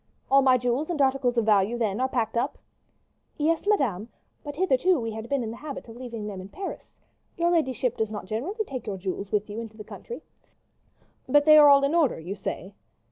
"All my jewels and articles of value, then, are packed up?" "Yes, madame; but hitherto we have been in the habit of leaving them in Paris. Your ladyship does not generally take your jewels with you into the country." "But they are all in order, you say?"